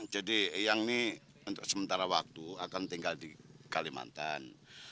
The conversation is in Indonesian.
jadi eyang ini untuk sementara waktu akan tinggal di kalimantan